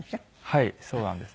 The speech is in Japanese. はいそうなんです。